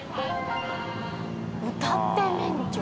「歌って免除」